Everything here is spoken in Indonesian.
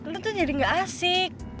lu tuh jadi gak asik